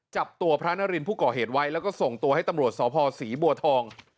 จับตัวพระนารินผู้ก่อเหตุไว้แล้วก็ส่งตัวให้ตำรวจสพศรีบัวทอง